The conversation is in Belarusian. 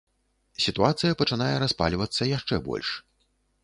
Сітуацыя пачынае распальвацца яшчэ больш.